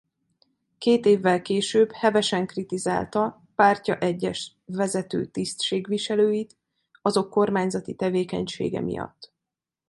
Két évvel később hevesen kritizálta pártja egyes vezető tisztségviselőit azok kormányzati tevékenysége miatt.